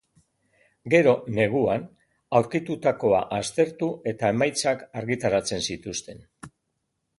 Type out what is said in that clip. Gero, neguan, aurkitutakoa aztertu eta emaitzak argitaratzen zituzten.